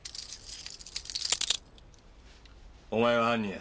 お前が犯人や。